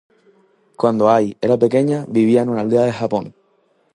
Cuando Ai era pequeña vivía en una aldea en Japón.